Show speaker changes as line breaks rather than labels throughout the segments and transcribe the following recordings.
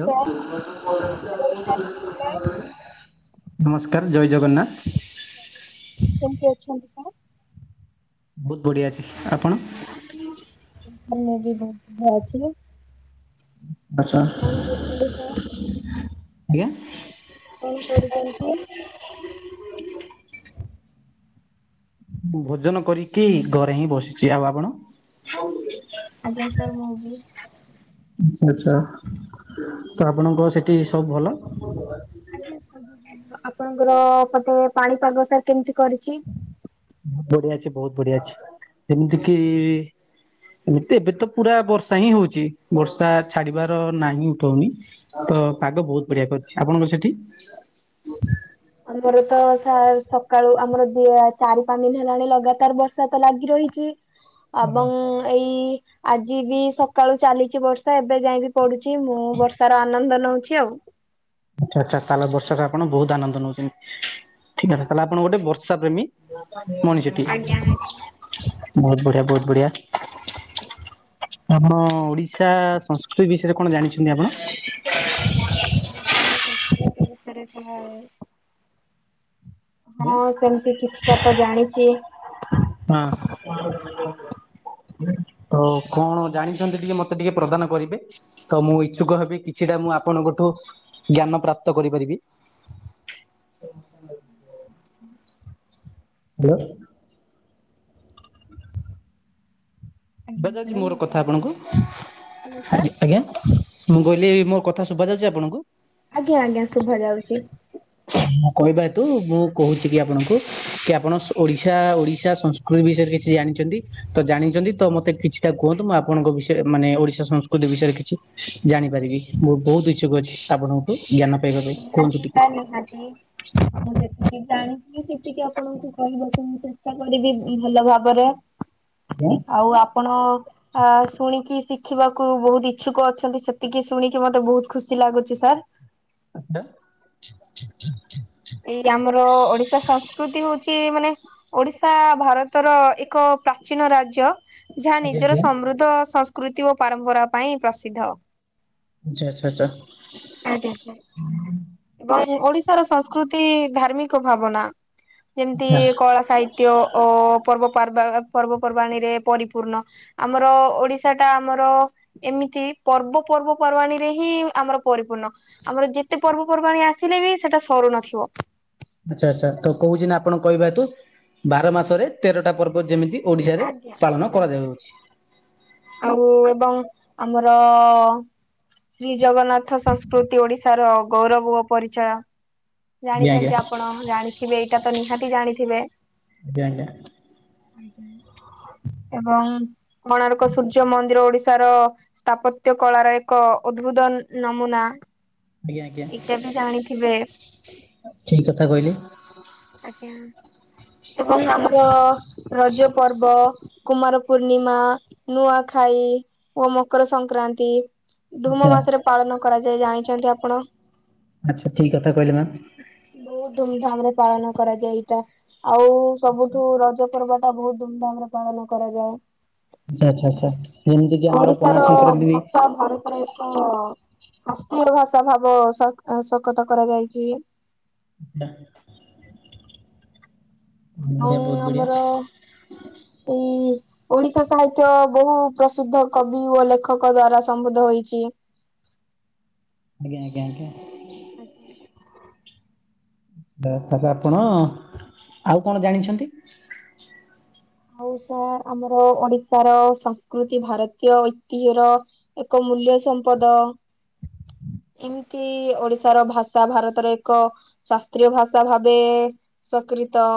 Sir hello sir ନମସ୍କାର
ନମସ୍କାର ଜୟ ଜଗନ୍ନାଥ।
କେମିତି ଅଛନ୍ତି?
ବହୁତ ବଢିଆ ଅଛି ଆପଣ?
ମୁଁ ବି ବହୁତ ଭ ଅଛି।
ଆଛା
କଣ କରୁଛନ୍ତି ସାର୍
ଆଜ୍ଞା
କଣ କରୁଚନ୍ତି?
ମୁଁ ଭୋଜନ କରିକି ଘରେ ହିଁ ବସିଛି ଆଉ ଆପଣ
ଆଜ୍ଞା ସାର୍ ମୁଁ ବି
ଆଛା ଆଛା ତ ଆପଣଙ୍କ ସେଠି ସବୁ ଭଲ। ହ [unintelligible]
ଆପଣଙ୍କର ପଟେ ପାଣିପାଗ ଟା କେମିତି କରିଛି?
ବଢିଆ ଅଛି ବହୁତ ବଢିଆ ଅଛି ଯେମିତି କିି ଏତେ ଏବେ ତ ପୁରା ବର୍ଷା ହିଁ ହଉଚି ବର୍ଷା ଛାଡିବାର ନାହିଁ ଉଠଉନି। ତ ପାଗ ବହୁତ ବଢିଆ କରଛି ଆପଣଙ୍କ ସେଠି?
ଆମର ତ ସକାଳୁ ଆମର ବି ଏ ଚାରି ପାଞ୍ଚ ଦିନ ହେଲାଣି ଲଗାତାର ବର୍ଷା ତ ଲାଗି ରହିଛି।
ହଁ [unintelligible]
ଆବଂ ଏଇ ଆଜି ବି ସକାଳୁ ଚାଲିଛି ବର୍ଷା ଏବେ ଯାଇ ବିି ପଡୁଛି ମୁଁ ବର୍ଷାର ଆନନ୍ଦ ନଉଚି ଆଉ।
ଆଛା ଆଛା ତାହେଲେ ବର୍ଷା ରେ ଆପଣ ବହୁତ ଆନନ୍ଦ ନଉଛନ୍ତି। ଠିକକଥା ତାହାଲେ ଆପଣ ଗୋଟେ ବର୍ଷା ପ୍ରେମୀ ମଣିଷ।
ଆଜ୍ଞା ଆଜ୍ଞା।
ବହୁତ ବଢିଆ ବହୁତ ବଢିଆ। ଆପଣ ଓଡିଶା ସଂସ୍କୃତି ବିଷୟରେ କଣ ଜାଣିଛନ୍ତି ଆପଣ?
ଓଡିଶାରା ସଂସ୍କୃତି ବିଷୟରେ ସହାଏ
ଆଜ୍ଞା
ହଁ ସେମିତି କିଛିଟା ତ ଜାଣିଚି।
ହଁ। ତ କଣ ଜାଣିଛନ୍ତି ଟିକେ ମତେ ଟିକେ ପ୍ରଦାନ କରିବେ। ତ ମୁଁ ଇଚ୍ଛୁକ ହେବି କିଛିଟା ମୁଁ ଆପଣଙ୍କଠୁ ଜ୍ଞାନ ପ୍ରାପ୍ତ କରିପାରିବି।
ଆଚ୍ଛା [unintelligible]
[unintelligible] ଶୁବା
ଆଜ୍ଞା
ଯାଉଛି
ସାର୍
ମୋର
ମୁଁ
କଥା
କହୁଛି
ଆପଣଙ୍କୁ
ହ୍ୟାଲୋ ସାର୍।
ଆଜି ଆଜ୍ଞା ମୁଁ କହିଲି ମୋ କଥା ଶୁଭା ଯାଉଛି ଆପଣଙ୍କୁ?
ଆଜ୍ଞା ଆଜ୍ଞା ଶୁଭା ଯାଉଛି।
[inaudible] କହିବା ହେତୁ ମୁଁ କହୁଛି କି ଆପଣଙ୍କୁ କି ଆପଣ ଓଡିଶା ଓଡିଶା ସ [unintelligible] ବିଷୟରେ କିଛି ଜାଣିଛନ୍ତି ତ ଜାଣିଛନ୍ତି ତ ମ କିଛିଟା କୁହନ୍ତୁ ମୁଁ ଆପଣଙ୍କ ବିଷୟରେ ମାନେ ଓଡିଶା ସଂସ୍କୃତି ବିଷୟରେ କିଛି ଜାଣିପାରିବି ମୁଁ ବହୁତ ଇଛୁକ ଅଛି ଆପଣଙ୍କଠୁ ଜ୍ଞାନ ପାଇବା ପାଇଁ। କୁହନ୍ତୁ
ନିହାତି
ଟିକେ
ସାର୍ ନିହାତି ମୁଁ ଯେତିକି ଜାଣିଚି ସେତିକି ଆପଣଙ୍କୁ କହିବାକୁ ମୁଁ ଚେଷ୍ଟା କରିବି ଭଲ ଭାବରେ।
ଆଜ୍ଞା।
ଆଉ ଆପଣ ଆ ଶୁଣିକି ଶିଖିବାକୁ ବହୁତ ଇଚ୍ଛୁକ ଅଛନ୍ତି ସେତିକି ଶୁଣିକି ମତେ ବହୁତ ଖୁସି ଲାଗୁଛି ସାର୍।
[inaudible]
[inaudible] ଏଇ ଆମର-ଅ-ଅ ଓଡିଶା ସଂସ୍କୃତି ହଉଛି ମାନେ ଓଡିଶା ଭାରତର ଏକ ପ୍ରାଚୀନ ରାଜ୍ୟ। ଯାହା
ଆଚ୍ଛା ଆଜ୍ଞା
ନିଜର
ଆଜ୍ଞା
ସମୃଦ୍ଧ, ସଂସ୍କୃତି ଓ ପାରମ୍ପରା ପାଇଁ ପ୍ରସିଦ୍ଧ।
ଯା ଆଛା ଆଛା।
ଆଜ୍ଞା କୁ। ଏବଂ ଓଡିଶାର ସଂସ୍କୃତି ଧାର୍ମିକ ଭାବନା ଯେମିତି କଳା ସାହି ତ୍ୟ ଓ ପର୍ବପାର୍ବା ପର୍ବପର୍ବାଣୀରେ ପରିପୂର୍ଣ୍ଣ। ଆମର ଓଡିଶା ଟା ଆମର ଏମିତି ପର୍ବ ପର୍ବପର୍ବାଣୀରେ ହିଁ ଆମର ପରିପୂର୍ଣ୍ଣ। ଆମର ଯେତେ ପର୍ବ ପର୍ବାଣୀ ଆସିଲେ ବି ସେଟା ସରୁ ନଥିବ।
ଆଛା ଆଚ୍ଛା ତ କହୁଛି ନା ଆପଣ କହିବା ହେତୁ ବାର ମାସରେ ତେରଟା ପର୍ବ ଯେମିତି। ଓଡ଼ିଶାରେ ପାଳନ କରାଯାଉଅଛି
ଆଉ ଏବଂ ଆମର-ଅ-ଅ-ଅ କି ଜଗନ୍ନାଥ ସଂସ୍କୃତି ଓଡିଶାର ଗୌରବ ଓ ପରିଚୟ।
ଆଜ୍ଞା ଆଜ୍ଞା
ଜାଣିଛନ୍ତି ଆପଣ ହଁ ଜାଣିଥିବେ ଏଇଟା ତ ନିହାତି ଜାଣିଥିବେ। [inaudible]
ହଁ
ଏବଂ କୋଣାର୍କ ସୂର୍ଯ୍ୟ ମନ୍ଦିର ଓଡି ଶାର ସ୍ଥାପତ୍ୟ କଳାର ଏକ ଉଦ୍ଭୁତ ନମୁନା।
ଆଜ୍ଞା ଆଜ୍ଞା
ଏଇଟା ବି ଜାଣିଥିବେ
ଠିକ୍ କଥା କହିଲେ
ଆଜ୍ଞା। ଏବଂ ଆମର ରଜ ପର୍ବ କୁମାର ପୂର୍ଣ୍ଣିମା, ନୂଆଖାଇ ଓ ମକର ସଂକ୍ରାନ୍ତି।
ଆଚ୍ଛା
ଧୂମ ମାସରେ ପାଳନ କରାଯାଏ ଜାଣିଛନ୍ତି ଆପଣ।
ଆଚ୍ଛା ଠିକ୍ କଥା କହିଲେ ମାମ୍।
ବହୁତ ଧୁମଧାମ୍ ରେ ପାଳନ କରାଯାଏ ଏଇଟା। ଆଉ-ଉ-ଉ ସବୁଠୁ ରଜ ପର୍ବ ଟା ବହୁତ ଧୁମଧାମ ରେ ପାଳନ କରାଯାଏ।
ଆଚ୍ଛା ଆଚ୍ଛା ଆଚ୍ଛା ଯେମିତି କିି ଆମର ପଣା
ଓଡିଶାର
ସଂକ୍ରାନ୍ତି ବି
ଭାଷା ଭାରତର ଏକ-ଅ-ଅ ଅଷ୍ଟ୍ରୀର ଭାଷା ଭାବ ସ୍ୱାକ୍ ସ୍ଵଗତ କରାଯାଇଛି।
[unintelligible] ବଢିଆ ବହୁତ ବଢିଆ।
ଏଇ-ଇ-ଇ-ଇ ଓଡିଶା ସାହିତ୍ୟ ବହୁ ପ୍ରସିଦ୍ଧ କବି ଓ ଲେଖକ ଦ୍ଵାରା ସମ୍ବଦ୍ଧ ହୋଇଛି।
ଆଜ୍ଞା ଆଜ୍ଞା ଆଜ୍ଞା।
ଆଜ୍ଞା।
ଦା ତାପରେ ଆପଣ-ଅ-ଅ ଆଉ କଣ ଜାଣିଛନ୍ତି?
ଆଉ ସାର୍ ଆମର ଓଡିଶାର ସଂସ୍କୃତି ଭାରତୀୟ ଐତିହ୍ୟର ଏକ ମୂଲ୍ୟ ସମ୍ପଦ। ଏମିତି ଓଡିଶାର ଭାଷା ଭାରତରେ ଏକ ଶାସ୍ତ୍ରୀୟ ଭାଷା ଭାବେ-ଏ-ଏ ସକ୍ରିତ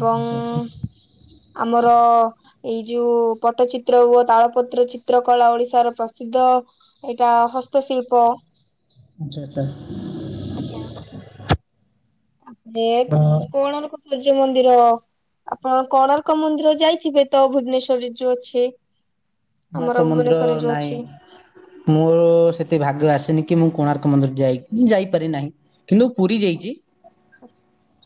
ଆଚ୍ଛା ଆଚ୍ଛା ଆଚ୍ଛା
ଆମର-ଅ-ଅ ଏଇ ଯୋଉ ପଟ୍ଟଚିତ୍ର ଓ ତାଳପତ୍ର ଚିତ୍ର କଳା ଓଡିଶାର ପ୍ରସିଦ୍ଧ। ଏଇଟା ହସ୍ତଶିଳ୍ପ।
ଆଛା ଆଛା।
ଆଜ୍ଞା।
ତ
ଏ-ଏ-ଏ-କ୍ କୋଣାର୍କ ସୂର୍ଯ୍ୟ ମନ୍ଦିର। ଆପଣ କୋଣାର୍କ ମନ୍ଦିର ଯାଇଥିବେ ତ ଭୁବନେଶୂରରେ ଯୋଉ ଅଛି? ଆମର
କୋଣାର୍କ ମନ୍ଦିର
ଭୁବନେଶ୍ଵରରେ ଯୋଉ ଅଛି।
ନାହିଁ। ମୋ-ଓ-ଓ ସେତିକି ଭାଗ୍ୟ ଆସିନି କି ମୁଁ କୋଣାର୍କ ମନ୍ଦିର ଯାଇ ଯାଇପାରି ନାହିଁ। କିନ୍ତୁ ପୁରୀ ଯାଇଛି।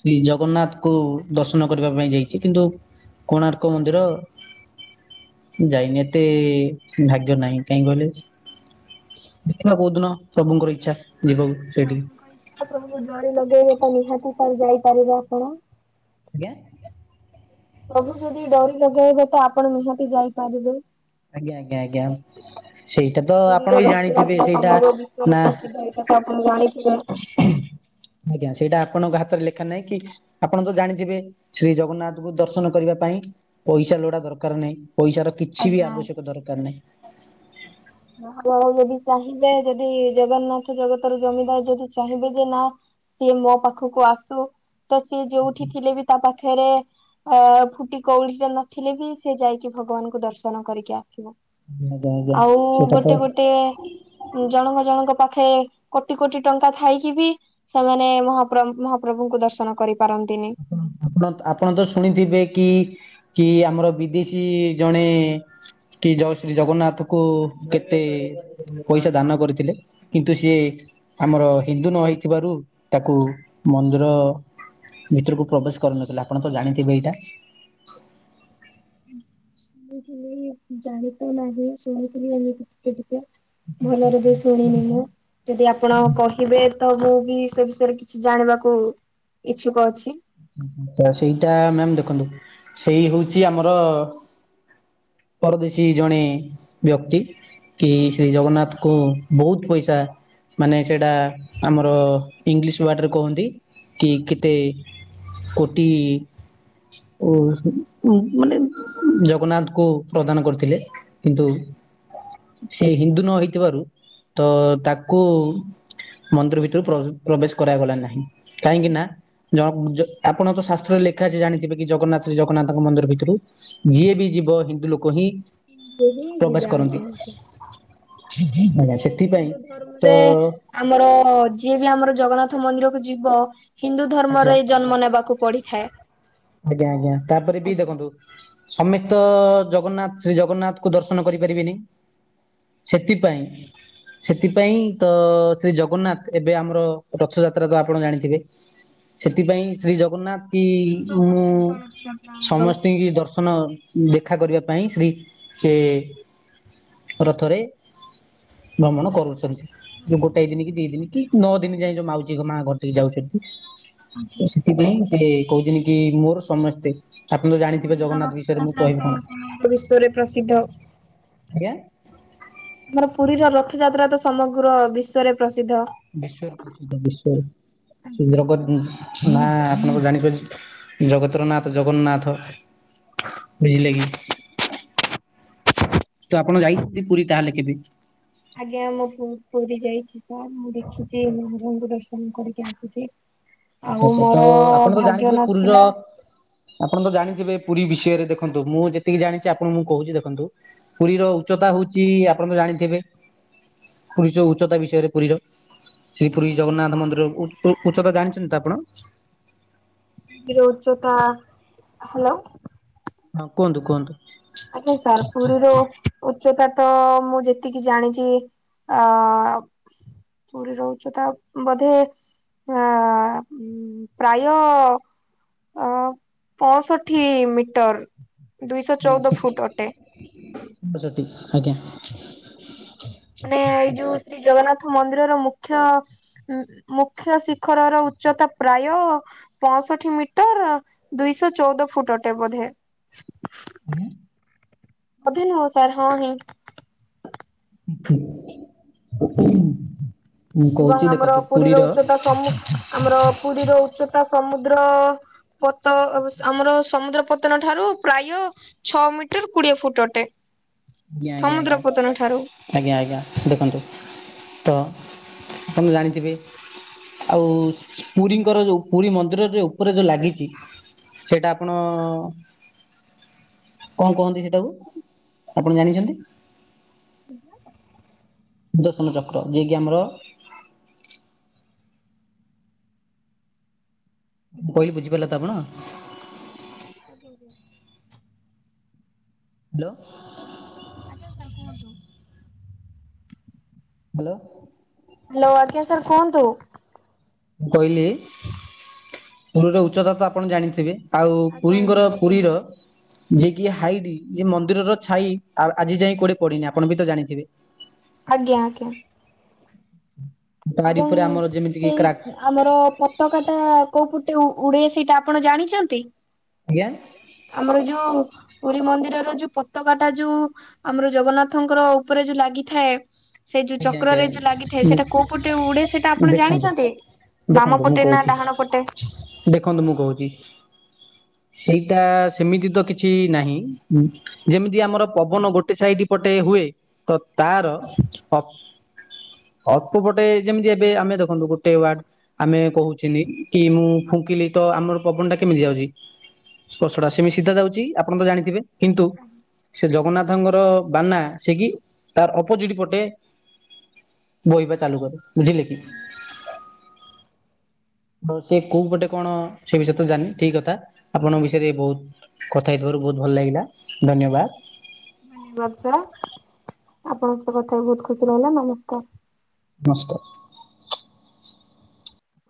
ଶ୍ରୀ ଜଗନ୍ନାଥଙ୍କୁ ଦର୍ଶନ କରିବା ପାଇଁ ଯାଇଛି କିନ୍ତୁ କୋଣାର୍କ ମନ୍ଦିର ଯାଇନି ଏ ଏତେ ଭାଗ୍ୟ ନାହିଁ କାହିଁ କହିଲେ? ଦେଖିବା କୋଉ ଦିନ ପ୍ରଭୁଙ୍କର ଇଛା ଯିବକୁ।
ପ୍ରଭୁ କହିଇଛ ପ୍ରଭୁ ଜଡରି ଲଗେଇବେ ତ ନିହାତି ସରି ଯାଇପାରିବେ ଆପଣ।
ଆଜ୍ଞା
ପ୍ରଭୁ ଯଦି ଡରି ଲଗେଇବ ତ ଆପଣ ନିହାତି ଯାଇପାରିବେ।
ଆଜ୍ଞା ଆଜ୍ଞା ଆଜ୍ଞା ସେଇଟା ତ
ପୁରୀର
ଆପଣ ବି ଜାଣିଥିବେ
ରଥଯାତ୍ରା
ସେଇଟା
ସମଗ୍ର ବିଶ୍ଵରେ
ନା
ପ୍ରସିଦ୍ଧ ତ ଆପଣକୁ ଜାଣିଥିବେ
ଆଜ୍ଞା ସେଇଟା ଆପଣଙ୍କ ହାତରେ ଲେଖା ନାହିଁ କି ଆପଣ ତ ଜାଣିଥିବେ ଶ୍ରୀ ଜଗନ୍ନାଥଙ୍କୁ ଦର୍ଶନ କରିବା ପାଇଁ ପଇସା ଲୋଡା ଦରକାର ନାହିଁ ପଇସାର କିଛି ବି
ଆଜ୍ଞା ଆ
ଆବଶ୍ୟକ ଦରକାର [inaudible]
ମହାବଳ ଯଦି ଚାହିଁବେ ଯଦି ଜଗନ୍ନାଥ ଜଗତରୁ ଜମିଦାର ଯଦି ଚାହିଁବେ ଯେ ନା ସିଏ ମୋ ପାଖକୁ ଆସୁ ତ ସିଏ ଯୋଉଠି ଥିଲେ ବି ତା ପାଖ ଖେରେ ଅ ଫୁଟି କଉଳଡିଟେ ନଥିଲେ ବି ସେ ଯାଇକି ଭଗବାନଙ୍କୁ ଦର୍ଶନ କରିକି ଆସିବ।
ଆଜ୍ଞା ଆଜ୍ଞା
ଆଉ
ସେଇଟା ତ
ଗୋଟେ ଗୋଟେ ଜଣଙ୍କ ଜଣଙ୍କ ପାଖେ କୋଟି-କୋଟି ଟଙ୍କା ଥାଇକି ବି ସେମାନେ ମହାପ୍ର ମହାପ୍ରଭୁଙ୍କୁ ଦର୍ଶନ କରିପାରନ୍ତିନି।
ଆପଣ ଆପଣ ତ ଶୁଣିଥିବେ କି କି ଆମର ବିଦେଶୀ ଜଣେ କି ଜୟ ଶ୍ରୀ ଜଗନ୍ନାଥଙ୍କୁ କେତେ ପଇସା ଦାନ କରିଥିଲେ। କିନ୍ତୁ ସିଏ ଆମର ହିନ୍ଦୁ ନ ହେଇଥିବାରୁ ତାକୁ ମନ୍ଦିର ଭିତରକୁ ପ୍ରବେଶ କରିନଥିଲା ଆପଣ ତ ଜାଣିଥିବେ ଏଇଟା?
ଶୁଣିଥିଲି ଜାଣି ତ ନାହିଁ ଶୁଣଥିଲି ଏମ ଟିକେ ଟିକେ। ଭଲରେ ବି ଶୁଣିନି ମୁଁ ଯଦି ଆପଣ କ ହିବେ ତ ମୁଁ ବି ସେ ବିଷୟରେ କିଛି ଜାଣିବାକୁ ଇଚ୍ଛୁକ ଅଛି।
ସେଇଟା ମ୍ୟାମ ଦେଖନ୍ତୁ ସେଇ ହଉଛି ଆମର ପରଦେଶୀ ଜଣେ ବ୍ୟକ୍ତି କି ଶ୍ରୀ ଜଗନ୍ନାଥଙ୍କୁ। ବହୁତ ପଇସା ମାନେ ସେଇଟା ଆମର ଇଂଲିଶ ୱାର୍ଡ଼ରେ କୁହନ୍ତି। କି କେତେ କୋ ଓ ମାନେ ଜଗନ୍ନାଥ କୁ ପ୍ରଦାନ କରିଥିଲେ। କିନ୍ତୁ ସେ ହିନ୍ଦୁ ନ ହେଇଥିବାରୁ ତ ତାକୁ ମନ୍ଦିର ଭିତରୁ ପ୍ରବେଶ କରାଗଲା ନାହିଁ କାହିଁକି ନା ଜ ଜ ଆପଣ ତ ଶାସ୍ତ୍ରରେ ଲେଖା ଜାଣିଥିବେ କି ଜଗନ୍ନାଥରେ ଜଗନ୍ନାଥଙ୍କ ମନ୍ଦିର ଭିତରୁ ଯିଏ ବି ଯିବ ହିନ୍ଦୁ ଲୋକ ହିଁ
ଯେ ବି
ପ୍ରବେଶ
ଯିବେ
କରନ୍ତି
ଅଜ୍ଞା ଆଜ୍ଞା।
ଆଜ୍ଞା
ମାନେ
ସେଥିପାଇଁ
ହିନ୍ଦୁ
ତ
ଧର୍ମରେ ଆମର ଯିଏ ବି ଆମର ଜଗନ୍ନାଥ ମନ୍ଦିରକୁ ଯିବ। ହିନ୍ଦୁ
ଆଚ୍ଛା
ଧର୍ମରେ ଜନ୍ମ ନେବାକୁ ପଡିଥାଏ। ଆଜ୍ଞା!
ସମେସ୍ତ ଜଗନ୍ନାଥ ଶ୍ରୀ ଜଗନ୍ନାଥ କୁ ଦର୍ଶନ କରିପାରିବିନି? ସେଥିପାଇଁ। ସେଥିପାଇଁ ତ ଶ୍ରୀ ଜଗନ୍ନାଥ ଏବେ ଆମର ରଥଯାତ୍ରା ତ ଆପଣ ଜାଣିଥିବେ? ସେଥିପାଇଁ ଶ୍ରୀ ଜଗନ୍ନାଥ କି ମୁଁ
ଆଜ୍ଞା ଆମର
ସମସ୍ତିଙ୍କି ଦର୍ଶନ। ଦେଖା କରିବା ପାଇଁ ଶ୍ରୀ ସେ ରଥରେ। ଭ୍ରମଣ କରୁଛନ୍ତି ଯୋଉ ଗୋଟେ ଦିନ କି ଦି ଦିନ କି ନଅ ଦିନ ଯାଏ ଯୋଉ ମାଉଜୀ ମା ଘର ଟିକି ଯାଉଛନ୍ତି।
ଅଂ
ତ
ହଁ।
ସେଥିପାଇଁ ସେ କହୁଛନ୍ତି କି ମୋର ସମେସ୍ତେ। ଆପଣ ତ ଜାଣିଥିବେ ଜଗନ୍ନାଥ ବିଷୟରେ ମୁଁ କହିବି କଣ?
ତ ସମଗ୍ର ବିଶ୍ଵରେ ପ୍ରସିଦ୍ଧ
ଆଜ୍ଞା?
ଆମର ପୁରୀର ରଥଯାତ୍ରା ତ ସମଗ୍ର ବିଶ୍ଵରେ ପ୍ରସିଦ୍ଧ।
ବିଶ୍ୱ ସମଗ୍ର ବିଶ୍ୱରେ
ଆଜ୍ଞା
[unintelligible] ନାଁ ଆପଣଙ୍କ ଜାଣିପାରି ଜଗତରନାଥ ଜଗନ୍ନାଥ, ବୁଝିଲେ କି? ତ ଆପଣ ଯାଇଛନ୍ତି ପୁରୀ ତାହେଲେ କେବେ?
ଆଜ୍ଞା, ମୁଁ ବହୁତ ପୁରୀ ଯାଇଛି ମୁଁ, ଦେଖିଛି ମହାପ୍ରଭୁଙ୍କୁ ଦର୍ଶନ କରିକି ଆସିଛି ଆଉ
ଆଚ୍ଛା ଆଚ୍ଛା, ତ
ମୋର
ଆପଣ ତ
ଭାଗ୍ୟ
ଜାଣିଥିବେ ପୁରୀର
ନଥିଲା।
ଆପଣ ତ ଜାଣିଥିବେ ପୁରୀ ବିଷୟରେ ଦେଖନ୍ତୁ, ମୁଁ ଯେତିକି ଜାଣିଛି ଆପଣଙ୍କୁ ମୁଁ କହୁଛି ଦେଖନ୍ତୁ ପୁରୀର ଉଚ୍ଚତା ହଉଛି, ଆପଣ ତ ଜାଣିଥିବେ ପୁରୀ ଉଚ୍ଚତା ବିଷୟରେ ପୁରୀର ସେଇ ପୁରୀ ଜଗନ୍ନାଥ ମନ୍ଦିରର ଉ-ଉ-ଉଚ୍ଚତା ଜାଣିଛନ୍ତି ତ ଆପଣ?
ମନ୍ଦିର ଉଚ୍ଚତା ହ୍ୟାଲୋ
ହଁ କହନ୍ତୁ, କୁହନ୍ତୁ।
ଆଜ୍ଞା ତାରପୁରରୁ ଉଚ୍ଚତା ତ ମୁଁ ଯେତିକି ଜାଣିଛି, ଅ ପୁରୀର ଉଚ୍ଚତା ବୋଧେ, ଆ ଇମ୍ ପ୍ରାୟ ଅ ପଅଁଷଠି ମିଟର। ଦୁଇଶହ ଚଉଦ ଫୁଟ ଅଟେ
[inaudible] ଆଜ୍ଞା।
ମାନେ ଏଇ ଯୋଉ ଶ୍ରୀଜଗନ୍ନାଥ ମନ୍ଦିରର ମୁଖ୍ୟ ଉମ୍ ମୁଖ୍ୟ ଶିଖରର ଉଚ୍ଚତା ପ୍ରାୟ ପଅଁଷଠି ମିଟର, ଦୁଇଶହ ଚଉଦ ଫୁଟ ଅଟେ ବୋଧେ?
ଆଜ୍ଞା?
ଅଭି ନୁହଁ ସାର୍ ହଁ ହିଁ।
[inaudible]
ଏବଂ
କହୁଛି
ଆମର
ଦେଖନ୍ତୁ
ପୁରୀର ଉଚ୍ଚତା ସମୁ ଆମର ପୁରୀର ଉଚ୍ଚତା ସମୁଦ୍ର ପତ ଅବ ଆମର ସମୁଦ୍ର ପତନ ଠାରୁ ପ୍ରାୟ ଛଅ ମିଟର, କୋଡିଏ ଫୁଟ ଅଟେ।
ଆଜ୍ଞା, ଆଜ୍ଞା,
ସମୁଦ୍ର ପତନ ଠାରୁ
ଆଜ୍ଞା, ଆଜ୍ଞା, ଆଜ୍ଞା। ଦେଖନ୍ତୁ ତ ଆପଣ ଜାଣିଥିବେ ଆଉ ପୁରୀଙ୍କର ଯୋଉ, ପୁରୀ ମନ୍ଦିରରେ ଉପରେ ଯୋଉ ଲାଗିଛି ସେଇଟା ଆପଣ, କଣ କୁହନ୍ତି ସେଟାକୁ? ଆପଣ ଜାଣିଛନ୍ତି?
[unintelligible]
ସୁଦର୍ଶନ ଚକ୍ର। ଯିଏ କିି ଆମର ମୁଁ କହିଲି ବୁଝିପାରିଲ ତ ଅପଣ?
ଆଜ୍ଞା ଆଜ୍ଞା।
ହ୍ୟାଲୋ।
ଆଜ୍ଞା, ସାର୍ କୁହନ୍ତୁ।
ହାଲୋ।
ହାଲୋ, ଆଜ୍ଞା ସାର୍ କୁହନ୍ତୁ।
ମୁଁ କହିଲି, ପୁରୀର ଉଚ୍ଚତା ତ ଆପଣ ଜାଣିଥିବେ? ଆଉ
ଆଜ୍ଞା ଆଜ୍ଞା
ପୁରୀଙ୍କର ପୁରୀର ଯେ କି ହାଇଡି ଯେ ମନ୍ଦିରର ଛାଇ ଆ-ଆଜି ଯାଏଁ କୁଆଡେ ପଡିନି। ଆପଣ ବି ତ ଜାଣିଥିବେ?
ଆଜ୍ଞା ଆଜ୍ଞା।
ତାରି
ଏବଂ
ଉପରେ ଆମର ଯେମିତିକି କ୍ରାକ୍
ସେଇ ଆମର ପତକାଟା କୋଉ ପଟେ ଉ-ଉଡେ ସେଇଟା ଆପଣ ଜାଣିଚନ୍ତି?
ଆଜ୍ଞା?
ଆମର ଯୋଉ ପୁରୀ ମନ୍ଦିରର ଯୋଉ ପତକାଟା ଯୋଉ ଆମର ଜଗନ୍ନାଥଙ୍କର ଉପରେ ଯୋଉ ଲାଗିଥାଏ ସେଇ ଯୋଉ
ଆଜ୍ଞା ଆଜ୍ଞା
ଚକ୍ରରେ ଯୋଉ ଲାଗିଥାଏ,
ମୁଁ
ସେଟା କୋଉ ପଟେ ଉଡେ ସେଇଟା ଆପଣ
ଦେଖନ୍ତୁ
ଜାଣିଚନ୍ତି। ବାମ
ଦେଖନ୍ତୁ ମୁଁ
ପଟେ ନା
କହୁଛି
ଡାହାଣ ପଟେ?
ଦେଖନ୍ତୁ ମୁଁ କହୁଚି। ସେଇଟା ସେମିତି ତ କିଛି ନାହିଁ। ଯେମିତି ଆମର ପବନ ଗୋଟେ ସାଇଡ ପଟେ ହୁଏ। ତ ତାର ପ ଅଳ୍ପ ପଟେ ଯେମିତି ଏବେ ଆମେ ଦେଖନ୍ତୁ ଗୋଟେ ୱାଡ଼ ଆମେ କହୁଚିନି କି ମୁଁ ଫୁଙ୍କିଲି ତ ଆମର ପବନ ଟା କେମିତି ଯାଉଛି? ସ୍ପର୍ଶଟା ସେମି ସିଧା ଯାଉଛି ଆପଣ ତ ଜାଣିଥିବେ। କିନ୍ତୁ ସେ ଜଗନ୍ନାଥଙ୍କର ବାନା ସେ କିି ତାର ଅପୋଜିଟ ପଟେ ବୋହିିବା ଚାଲୁ କରୁ ବୁଝିଲେ କି? ସେ କୋଉ ପଟେ କଣ ସେ ବିଷୟରେ ତ ଜାଣିନି ଠିକ କଥା ଆପଣଙ୍କ ବିଷୟରେ ବହୁତ କଥା ହେଇଥିବାରୁ ବହୁତ ଭଲ ଲାଗିଲା ଧନ୍ୟବାଦ।
ଧନ୍ୟବାଦ ସାର୍ ଆପଣଙ୍କ ସହ କଥା ହେଇକି ବହୁତ ଖୁସି ଲାଗିଲା ନମସ୍କାର।
ନମସ୍କାର।